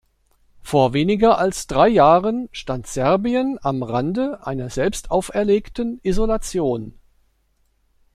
Vor weniger als drei Jahren stand Serbien am Rande einer selbst auferlegten Isolation.